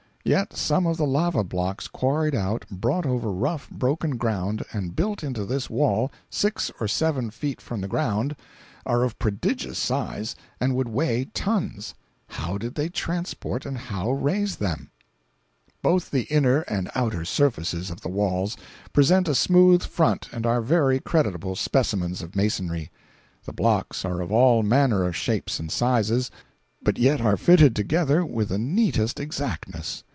Yet some of the lava blocks quarried out, brought over rough, broken ground, and built into this wall, six or seven feet from the ground, are of prodigious size and would weigh tons. How did they transport and how raise them? Both the inner and outer surfaces of the walls present a smooth front and are very creditable specimens of masonry. The blocks are of all manner of shapes and sizes, but yet are fitted together with the neatest exactness.